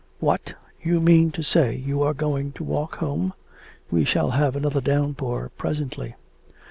'What! you mean to say you are going to walk home? ... We shall have another downpour presently.'